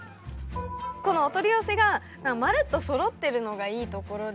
このお取り寄せがまるっとそろってるのがいいところで。